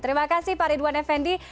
terima kasih pak ridwan effendi